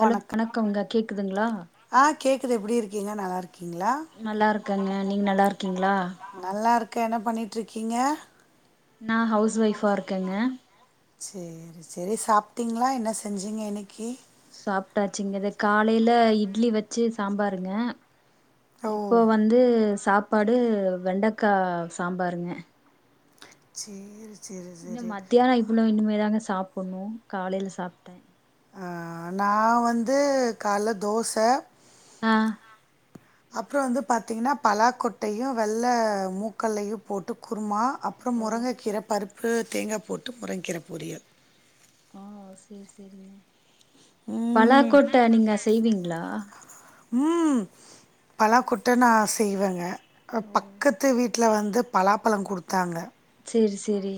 Hello வணக்கோங்க கேக்குதுங்களா ஆ கேக்குது எப்புடி இருக்கீங்க நல்லாருக் கீங்களா நல்லா இருக்கங்க நீங்க நல்லா இருக்கீங்களா நல்லா இருக்க என்ன பண்ணிட்டுருக்கீங்க நா ஹவுஸ் ஒய்ஃபா இருக்கேங்க சேரி செரி சாப்ட்டிங்களா என்ன செஞ்சிங்க இன்னைக்கி சாப்ட்டாச்சுங்க இது காலையில இட்லி வச்சு சாம்பாருங்க ஓ இப்போ வந்து சாப்பாடு வெண்டக்கா சாம்பாருங்க சேர் இன்னு மத்தியான இப்ணு இனிமே தாங்க சாப்பிடணு காலைல சாப்ட்டே ஆ நா வந்து காலைல தோச ஆ அப்றோ வந்து பாத்தீங்கன்னா பலா கொட்டையு வெள்ள மூக்கல்லையு போட்டு குருமா அப்பறோ ஓ முருங்கக்கீரை பருப்பு தேங்கா போட்டு முருங்கக்கீரை பொரியல் ம் பலாக்கொட்ட நீங்க செய்வீங்களா ம் பலாக்கொட்ட நா செய்வேங்க ஓ பக்கத்து வீட்ல வந்து பலாப்பழ குடுத்தாங்க சேரி சேரி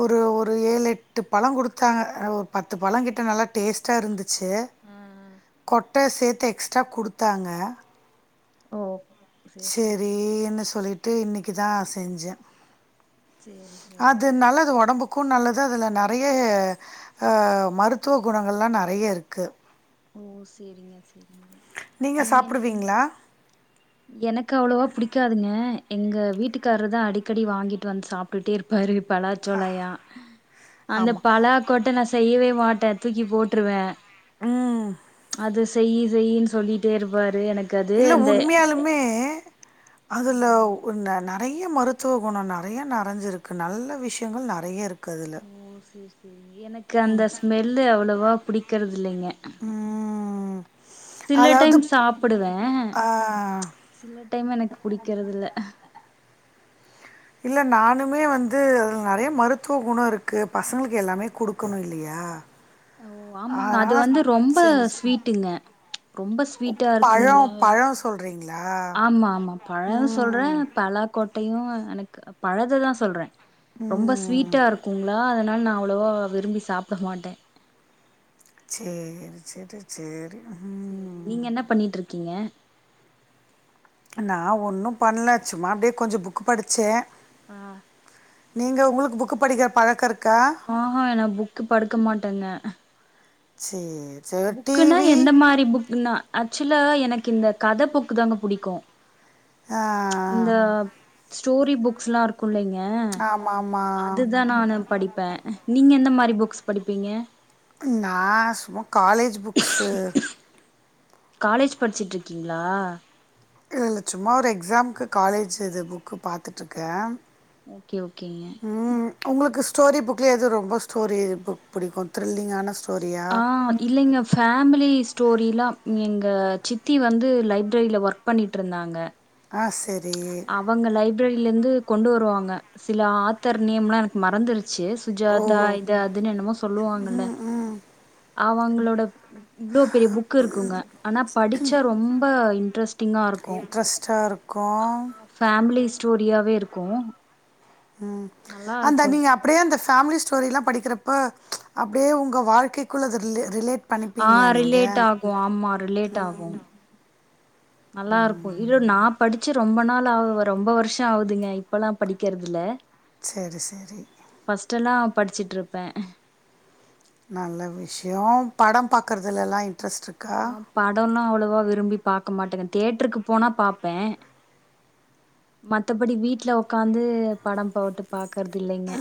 ஒரு ஒரு ஏழு எட்டு பழ குடுத்தாங்க ஒரு பத்து பழ கிட்ட நல்லா டேஸ்ட்டா இருந்துச்சு ஆ ஆ கொட்ட சேத்து எக்ஸ்ட்ரா குடுத்தாங்க ஓ சேரி சேரிங்க சேரின்னு சொல்லிட்டு இன்னைக்கு தா செஞ்சே சேரி சேரிங்க அது நல்லது ஒடம்புக் கு நல்லது அதுல நறைய அ மருத்துவ குணங்கள்லா நறைய இருக்கு ஓ சேரிங்க சேரிங்க நீங்க சாப்பிடுவீங்களா எனக்கு அவ்ளோவா பிடிக்காதுங்க எங்க வீட்டுக்காருதா அடிக்கடி வாங்கிட்டு வந்து சாப் டுட்டே இருப்பாரு பலாச்சோளையா அந்த ஆமா. பலா கொட்ட நா செய்யவே மாட்டே தூக்கி போட்ருவே ம் அது செய் செய்ன்னு சொல்லிட்டே இருப்பாரு எனக் இல்ல உண்மையாலுமே அதுல ம். ந நறைய மருத்துவ குண நறைய நறஞ்சிருக்கு நல்ல விஷயங்கள் நறைய இருக் ஓ சேரி சேரி எனக்கு அந்த ஸ்மெல்லு அவ்வளவா பிடிக்கறது இல்லைங்க ம் சில அதாவது டைம் சாப்பிடுவே ஆ சில டைம் எனக்கு பிடிக்கிறது இல்ல இல்ல நானுமே வந்து அதுல நறைய மருத்துவ குணோ இருக்கு பசங்களுக்கு எல்லாமே குடுக்கணு இல்லையா அ ஓ ஆமாங்க அது வந்து ரொம்ப ஸ்வீட்டுங்க ரொம்ப ஸ்வீட்டா இருக்குங்களா ன்னா சொல்றீங்களா ஆமா ஆமா பழ சொல்றே ம் பலாக்கொட்டையு எனக்கு பழதுதா சொல்றே ரொம்ப ஸ்வீட் ம் ட்டா இருக்குங்களா அதனால நா அவ்ளோவா விரும்பி சாப்ட மாட்டே சேரி சேரி சேரி ம் பண்ணிட்டுருக்கீங்க நா ஒன்னு பண்ல சும்மா அப்டியே கொஞ்சோ புக்கு படிச்சே ஆ நீங்க உங்குளுக்கு புக்கு படிக்கிற பழக்க இருக்கா ஆஹா என்ன புக்கு படுக்க மாட்டேங்க சேர் புக்குனா என்ன மாரி புக்குனா ஆக்சுவலா எனக்கு இந்த கத புக்கு தாங்க புடிக்கு ஆ இந்த ஸ்டோரி புக்ஸ்லா இருக் இல்லைங்க ஆமாம் ஆமாம் அதுதா நாணு படிப்பே நீங்க எந்த மாரி புக்ஸ் படிப்பீங்க நா சும்மா காலேஜ் புக்ஸ்ஷு காலேஜ் படுச்சுட்ருக்கீங்களா இல்ல இல்ல சும்மா ஒரு எக்ஸாம்க்கு காலேஜு இது புக்கு பாத்துட்ருக்கே ஓகே ஓகேங்க ம்ம் உங்களுக்கு ஸ்டோரி புக்ல எது ரொம்ப ஸ்டோரி புக் புடிக்கு த்ரில்லிங்கான ஸ்டோ ஆ இல்லைங்க ஃபேமிலி ஸ்டோரிலா எங்க சித்தி வந்து லைப்ரெரியில ஒர்க் பண்ணிட்டு இருந்தாங்க ஆ செரி அவங்க லைப்ரெரில இருந்து கொண்டு வருவாங்க சில ஆத்தர் நேம்லா எனக்கு மறந்துருச்சு ஓ சுஜாதா இது அதுன்னு என்னமோ சொல்லுவாங்கல அவங்களோட இவ்ளோ பெரிய புக் இருக்குங்க ஆனா படிச்சா ரொம்ப இன்ட்ரெஸ்ட்டிங்கா இருக்கு ட்ரஸ்டாருக் கோ ஆ ஃபேமிலி ஸ்டோரியாவே இருக்கு ம் நல்லா அந்த இருக்கு நீங்க அப் டியே அந்த ஃபேமிலி ஸ்டோரிலா படிக்கிறப்போ அப்டியே உங்க வாழ்க்கைக்குள்ள அது ரிலே ரிலேட் ஆ பண்ணிப்பீங்களா நீங்க ரிலேட் ஆகு ஆமா ரிலேட் ஆகு நல்லா இருக்கு இரு நா படுச்சு ரொம்ப நாளா ஆவு ரொம்ப வருஷோ ஆகுதுங்க இப்பல்லா படிக்கற்தில்ல செரி செரி ஃபர்ஸ்டெல்லா படுச்சிட்டிருப்ப நல்ல விஷியோ படோ பாக்கறதுலலா இன்ட்ரெஸ்ட்ரு ஆ படோனா அவ்வளவா விரும்பி பாக்க மாட்டேங்க தியேட்ருக்கு போனா பாப்பே மத்தபடி வீட்ல உக்காந்து படோ போட்டு பாக்குறது இல்லிங்க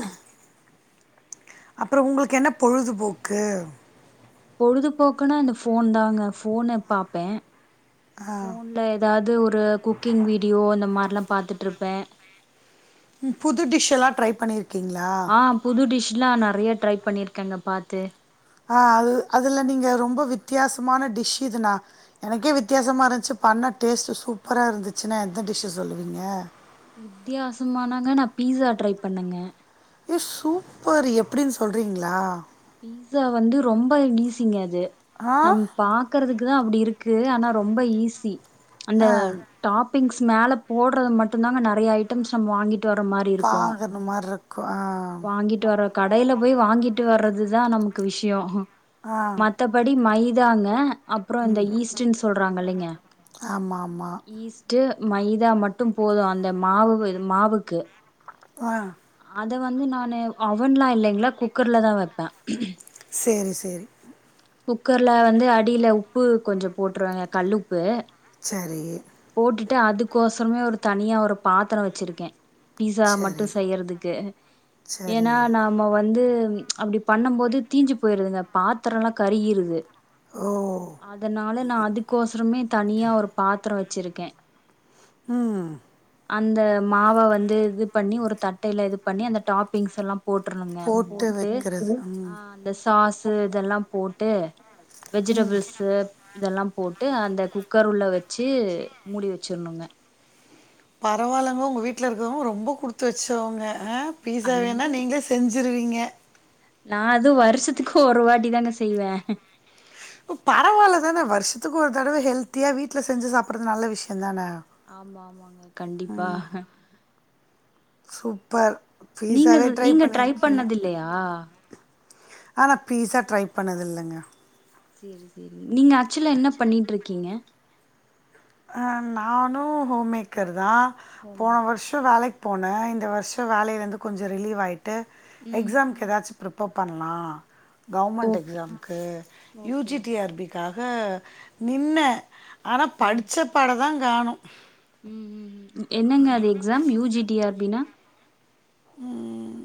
அப்றோ உங்ளுக்கு என்ன பொழுதுபோக்கு பொழுதுபோக்குனா இந்த ஃபோன் தாங்க ஃபோன பாப்பே ஆ ஃபோன் ல எதாது ஒரு குக்கிங் வீடியோ இந்த மாரிலா பாத்துட்டுருப்பே ம் புது டிஷ்ஷலா ட்ரை பண்ணிருக்கீங்களா ஆ புது டிஷ்லா நெறையா ட்ரை பண்ணிருக்கேங்க பாத்து ஆ அது அதுல நீங்க ரொம்ப வித்தியாசமான டிஷ் இதுணா எனக்கே வித்தியாசமா இருந்திச்சி பண்ண டேஸ்ட்டு சூப்பரா இருந்துச்சுனா எந்த டிஷ்ஷ சொல்லுவீங்க வித்தியாசமானாங்க நா பீஸா ட்ரை பண்ணங்க ஏ சூப்பர் எப்டினு சொல்றீங்ளா பீஸா வந்து ரொம்ப ஈசிங்க அது ஆ நம் பாக்குறதுக்குதா அப்டி இருக்கு ஆனா ரொம்ப ஈஸி அந்த ஆ டாப்பிங்ஸ் மேல போடுறது மட்டுந்தாங்க நெறைய ஐட்டம்ஸ் நம்ம வாங்கிட் டு வர மாரி இருக்கு வாங்குற மாரி இருக்கு ஆ வாங்கிட்டு வர்ற கடையில போய் வாங்கிட்டு வர்றதுதா நமக்கு விஷியோ ஆ மத்தபடி மைதாங்க அப்றோ இந்த ஈஸ்ட்டுன் சொல்றாங்கலீங்க ஆமாம் ஆமாம் ஈஸ் ட்டு மைதா மட்டு போது அந்த மாவு இது மாவுக்கு ஆ அத வந்து நானு அவன்லா இல்லைங்களா குக்கர்ல தா வைப்ப சேரி சேரி குக்கர்ல வந்து அடியில உப்பு கொஞ்சோ போட்டுருவ கல்லுப்பு சரி போட்டுட்டு அதுக்கோசரமே ஒரு தனியா ஒரு பாத்தரோ வச்சிருக்கே பீஸா மட்டு சரி செய்யறதுக்கு சரி ஏனா நாம வந்து அப்டி பண்ணம்போது தீஞ்சி போயிருதுங்க பாத்தரல்லா கருகிருது ஓ அதனால நா அதுக்கோசரமே தனியா ஒரு பாத்ரோ வச்சிருக்கே ம் அந்த மாவ வந்து இது பண்ணி ஒரு தட்டையில இது பண்ணி அந்த டாப்பிங்சலா போட்றணுங்க போட்டு வைக்கிறது ம் அ இந்த சாசு இதெல்லா போட்டு வெஜிடேபிள்ஸு இதெல்லா போட்டு அந்த குக்கர் உள்ள வெச்சு மூடி வெச்சிருணுங்க பரவால்லங்க உங்க வீட்ல இருக்கவங்க ரொம்ப குடுத்து வச்சவங்க அ பீஸா வேணா ஐயே நீங்களே செ செஞ்சுருவீங்க நா அது வருஷத்துக்கு ஒரு வாட்டி தாங்க செய்வ ப் பரவால்ல தான வருஷத்துக்கு ஒரு தடவ ஹெல்த்தியா வீட்ல செஞ்சு சாப்பட்றது நல்ல விஷ்யோதான ஆமா ஆமாங்க கண்டிப்பா சூப்பர் நீங்க பீஸாவே ச நீங்க ட்ரை பண்ணது இல்லையா ஆநா பீஸா ட்ரை பண்ணது இல்லைங்க சேரி சேரி நீங்க ஆக்சுவலா என்ன பண்ணிட்டுருக்கீங்க அ நானு ஹோம் மேக்கர் தா ஹோம் போன மேக்கர் வருஷோ வேலைக் போன இந்த வருஷோ வேலையில இருந்து கொஞ்சோ ரிலீவ் ஆயிட்டு ம் எக்ஸாம்க்கு எதாச்சு பிருப்பப் பண்லா கவர்மெண்ட் ஓகே எக்ஸாம்க்கு U okay G T okay அப்டி க்காக நின்ன ஆனா ம் படிச்ச பாட தா காணோ ம் ம் ம் என்னங்க அது எக்ஸாம் யூ ஜி டி அப்டினா ம்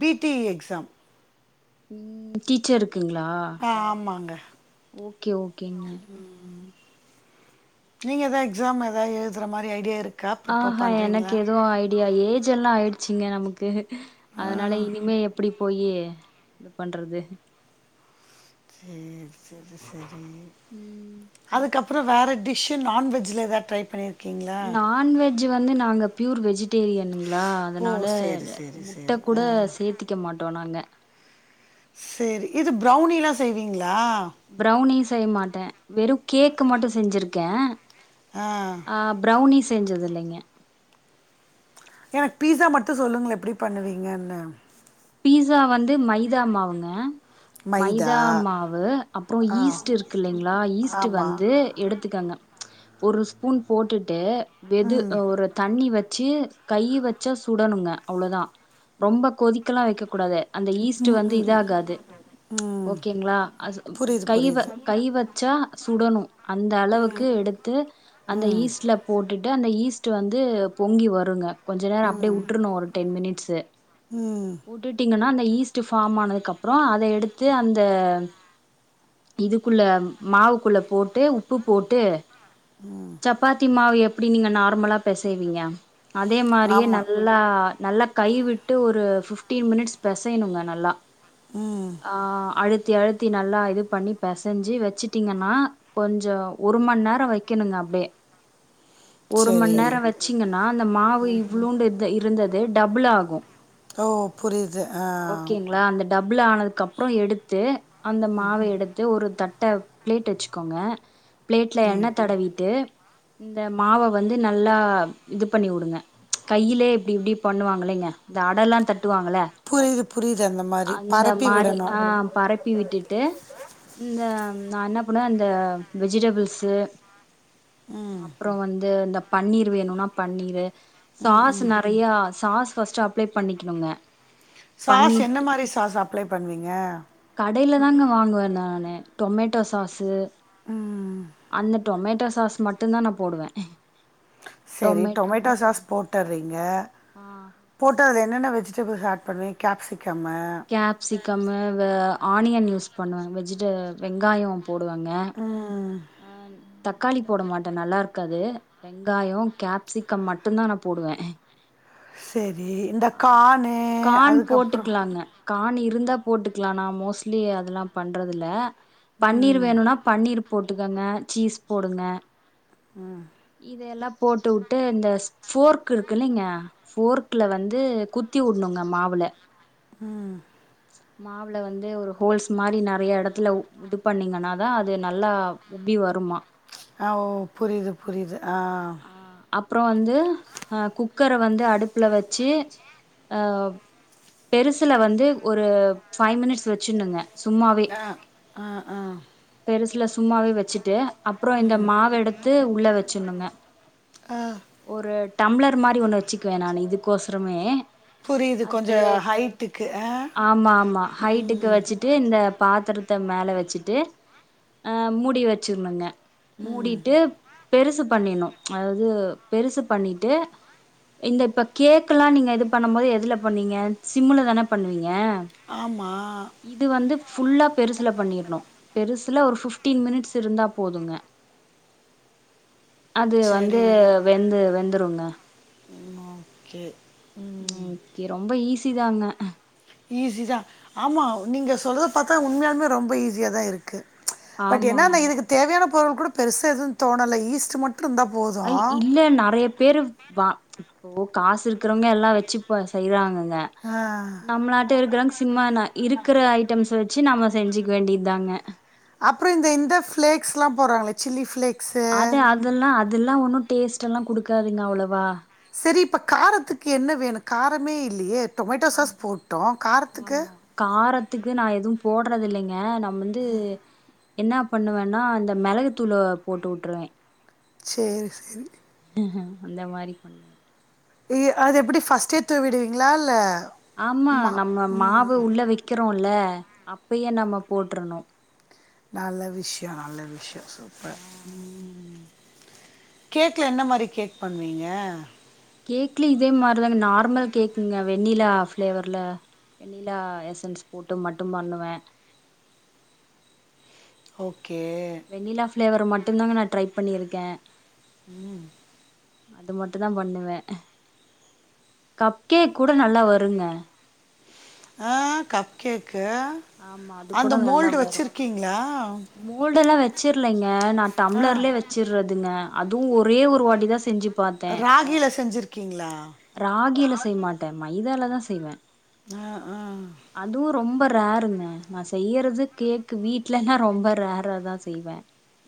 பி டி எ எக்ஸாம் ம் டீச்சர்ருக்குங்ளா ஆ ஆமாங்க ஓகே ஓகேங்க நீங்க எதா எக்ஸாம் எதா எழுதுர மாரி ஐடியா இருக் ஆஹா எனக்கு எது ஐ டியா ஏஜ் எல்லா ஆயிடுச்சிங்க நமக்கு ஆ அதனால இனிமே எப்டி போயே இது பண்றது ம் சரி சரி ம் அதுக்கப்புறோ வேற டிஷ்ஷு நான்வெஜ்ல எதா ட்ரை பண்ணிரு நான்வெஜ்ஜு வந்து நாங்க பியூர் வெஜிடேரியனுங்களா ஓ அதனால சரி சரி முட்ட சரி கூட ஆ சேத்திக்க மாட்டோ நாங்க சேரி இது ப்ரௌனிலா செய்வீங்களா ப்ரௌனி செய்ய மாட்ட வெறு கேக்கு மட்டு‌ செஞ்சிருக்கே ஆ ஆ ப்ரௌனி செஞ்சது இல்லைங்க எனக் பீஸா மட்டு சொல்லுங்ள எப்டி பண்ணுவீங்கனு பீஸா வந்து மைதா மாவுங்க மைதா மாவு அப்புறோ ஈஸ்ட் இருக்கு இல்லைங்ளா ஈஸ்ட்டு ஆமாம் வந்து எடுத்துகங்க ஒரு ஸ்பூன் போட்டுட்டு வெது ஒரு தண்ணி வ ச்சு கை வச்சா சுடணுங்க அவ்ளதா ரொம்ப கொதிக்கலா வைக்க கூடாது அந்த ஈஸ்ட் வந்து இதாகாது ஓகேங்ளா அது புரியுது கை வ புரியுது கை வச்சா சுடணு அந்த அளவுக்கு எடுத்து அந்த ஈஸ்ட்ல போட்டுட்டு அந்த ஈஸ்ட்டு வந்து பொங்கி வருங்க கொஞ்சநேரோ அப்டியே உட்ருணு ஒரு டென் மினிட்ஸு ம் உட்டுட்டீங்கனா அந்த ஈஸ்ட்டு ஃபாம் ஆனதுக்கப்றோ அத எடுத்து அந்த இதுக்குள்ள மாவுக்குள்ள போட்டு உப்பு போட்டு ம் சப்பாத்தி மாவு எப்டி நீ நார்முலா பெசைவீங்க அதே மாரியே ஆமாம் நல் லா நல்லா கைவிட்டு ஒரு ஃபிட்டீன் மினிட்ஸ் பெசையணுங்க நல்லா ஆ அழுத்தி அழுத்தி நல்லா இது பண்ணி பெசைஞ்சு வச்சுட்டீங்கனா கொஞ்சோ ஒருமண் நேரோ வைக்கணுங்க அப்டே ஒருமண் சரி நேரோ வச்சீங்கனா அந்த மாவு இவ்ளோண்டு இட்த இருந்தது டபுள் ஆகு ஓ புரிது ஆ நா அந்த டபுள் ஆனதுகப்றோ எடுத்து அந்த மாவ எடுத்து ஒரு தட் ட்ட பிளேட் வச்சுக்கோங்க பிளேட்ல எண்ண தடவீட்டு இந்த மாவ வந்து நல்லா இது பண்ணி உடுங்க கையிலே இப்டி இப்டி பண்ணுவாங்குலேங்க இந்த அடலா தட்டுவாங்கள புரியுது புரியுது அந்த மாதிரி அந்த பரப்பி மாரி விடணும் ஆ பறை ப்பி விட்டுட்டு இந்த நா என்ன பண்ணுவ அந்த வெஜிடபிள்ஸு அப்றோ வந்து இந்த பன்னீர் வேணுனா பன்னீரு சாஸு நெறையா சாஸ் ஃபஸ்ட்டு அப்ளே பண்ணிக்கிணுங்க சாஸ் என்ன மாரி சாஸ் அப்ளே பண்வீங்க கடைல தாங்க வாங்குவ நானு டொமேட்டோ சாஸு ம் அந்த டொமேட்டோ சாஸ் மட்டுந்தா நா போடுவ செரி டொமேட்டோ சாஸ் போட்டுறீங்க ஆ போட்டு அதுல என்னென்ன வெஜிடபிள்ஸ் ஆட் பண்ணுவீங் கேப்சிகம்மு கேப்சிகம்மு வ ஆனியன் யூஸ் பண்ணுவ வெஜிட வெங்காயோ போடுவங்க ம் அ தக்காளி போட மாட்ட நல்லா இருக்காது வெங்காயோ கேப்சிகம் மட்டுந்தா நா போடுவ செரி இந்த கானு கான் அதுக்கப்றோ போட்டுக்கலாங்க கான் இருந்தா போட்டுக்லா நா மோஸ்ட்லி அதுலா பண்றதில்ல பன்னீர் ம் வேணுனா பன்னீர் போட்டுக்கங்க சீஸ் போடுங்க ம் இதயெல்லா போட்டு உட்டு இந்த ஃபோர்க் இருக்குலைங்க ஃபோர்க்ல வந்து குத்தி உட்ணுங்க மாவுல ம் மாவுல வந்து ஒரு ஹோல்ஸ் மாரி நறைய எடத்துல உது பண்ணிங்கன்னாதா அது நல்லா உப்பி வருமா ஆ ஓ புரீது புரீது ஆ அப்பறோ வந்து அ குக்கர வந்து அடுப்புல வச்சு அ பெருசுல வந்து ஒரு ஃபைவ் மினிட்ஸ் வச்சுனுங்க சும்மாவே ஆ ஆ ஆ பெருசுல சும்மாவே வச்சுட்டு அப்றோ இந்த மாவெடுத்து உள்ள வச்சிண்ணுங்க ஆ ஒரு டம்ளர் மாரி ஒன்னு வச்சுக்குவ நானு இதுக்கோசரமே புரியுது அது கொஞ்சம் ஹைட்டுக்கு ஆ ஆமா ஆமா ஹைட்டுக்கு வச்சுட்டு இந்த பாத்தரத்த மேல வச்சுட்டு அ மூடி வச்சிருணுங்க மூடிட்டு பெருசு பண்ணினு அதாவ்து பெருசு பண்ணிட்டு இந்த இப்ப கேக்குலா நீங்க இது பண்ணம் போது எதுல பண்ணுவீங்க சிம்முல தான பண்ணுவீங்க ஆமா இது வந்து ஃபுல்லா பெருசுல பண்ணிர்ணு பெருசுல ஒரு ஃபிஃப்டீன் மினிட்ஸ் இருந்தா போதுங்க அது வந்து சரி வெந்து வெந்துருங்க ம் ஓகே ம் கே ரொம்ப ஈஸி தாங்க ஈஸிதா ஆமா நீங்க சொல்றத பாத்தா உண்மயாலுமே ரொம்ப ஈஸியாதா இருக்கு பட் என்னாந்த ஆமாங்க இதுக்கு தேவையான பொருள் கூட பெருசா எது தோணல ஈஸ்ட் மட்டுருந்தா போது அய் இல்ல நறைய பேரு வா இப்போ காசு இருக்குறவங்க எல்லா வச்சு ப செய்யறாங்கங்க ஆ நம்ளாட்ட இருக்கிறங் திம்மானா இருக்கற ஐட்டம்ஸ் வச்சு நம்ம செஞ்சுக் வேண்டிதாங்க அப்பறோ இந்த இந்த ஃபிளேக்ஸ்ல்லா போட்றாங்களே சில்லி ஃபிளேக் அத அதெல்லா அதெல்லா ஒன்னு டேஸ்ட்டெல்லா குடுக்காதுங்க அவ்ளவா செரி இப்ப காரத்துக்கு என்ன வேணு காரமே இல்லியே டொமேட்டோ அத் சாஸ் போட்டோ காரத்துக்கு ஆமா காரத்துக்கு நா எதும் போட்றதில்லைங்க நம்வந்து என்னா பண்ணுவேன்னா இந்த மெளகு தூள போட்டு வுட்ருவ சேரி சேரி அந்த மாரி பண்ண இ அது எப்புடி ஃபஸ்டே தூவிடுவீங்ளா இல்ல ஆமா மா நம்ம ம் மாவு உள்ள வைக்கிறோல அப்பயே நம்ம போட்ரணு நல்ல விஷயொ நல்ல விஷயொ சூப்பர் ஆ ம் கேக்ல என்ன மாரி கேக் பண்வீங்க கேக்ல இதே மாருதாங்க நார்மல் கேக்குங்க வெண்ணிலா ஃபளேவர்ல்ல வெண்ணிலா எசன்ஸ் போட்டு மட்டும் பண்ணுவ ஓகே வெண்ணிலா ஃப்ளேவர் மட்டுந் தாங்க நா ட்ரை பண்ணிருக்க ம் அது மட்டு தா பண்ணுவ கப்கேக் கூட நல்லா வருங்க ஆ கப் கேக்கு ஆமா அது அந்த கூட நல்லா மோல்டு வரு வச்சிருக்கீங்ளா மோல்டெல்லா வச்சிர்லங்க நா ஆ டம்ளர்லயே வச்சிறதுங்க அதுவு ஒரே ஒரு வாட்டி தா செஞ்சி பாத்தே ராகில செஞ்சிருக்கீங்களா ராகியில செய்ய மாட்ட மைதாலதா செய்வ ஆ ஆ அதுவும் ரொம்ப ரேருங்க நா செய்யிறது கேக்கு வீட்லனா ரொம்ப ரேர்ரா தா செய்வ